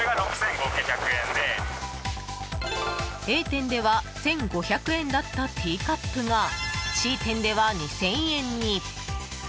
Ａ店では１５００円だったティーカップがＣ店では２０００円に。